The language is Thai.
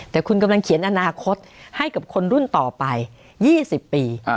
แต่คุณกำลังเขียนอนาคตให้กับคนรุ่นต่อไป๒๐ปี